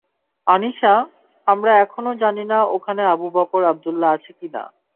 আনিশা, আমরা এখনও জানি না ওখানে আবু বকর আবদুল্লাহ আছে কি না।